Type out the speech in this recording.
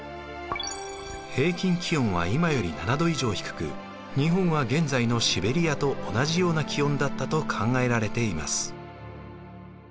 平均気温は今より７度以上低く日本は現在のシベリアと同じような気温だったと考えられています。